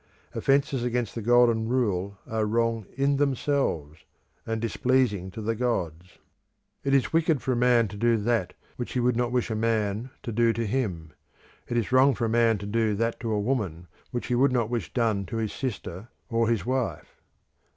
Offences against the Golden Rule are wrong in themselves, and displeasing to the gods. It is wicked for a man to do that which he would not wish a man to do to him; it is wrong for a man to do that to a woman which he would not wish done to his sister or his wife.